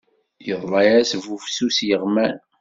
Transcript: Iḍla-yas bufsus yeɣman.